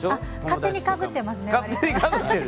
勝手にかぶってます。